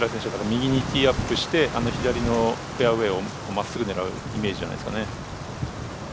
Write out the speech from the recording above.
右にティーアップしてあの左のフェアウエーをまっすぐ狙うイメージじゃないですかね。